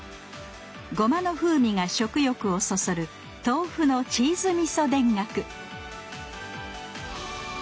ごまの風味が食欲をそそる「豆腐のチーズみそ田楽」